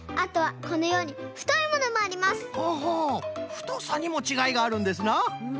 ふとさにもちがいがあるんですな。